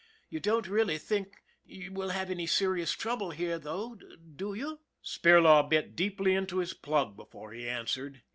You don't really think we'll have any serious trouble here though, do you?" Spirlaw bit deeply into his plug before he answered.